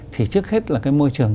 thì trước hết là cái môi trường